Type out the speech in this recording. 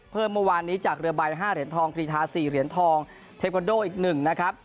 เพิ่มเมื่อวานนี้จากเรือใบห้าเหรียญทองครีธาสี่เหรียญทองอีกหนึ่งนะครับ